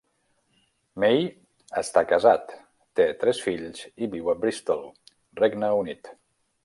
May està casat, té tres fills i viu a Bristol, Regne Unit.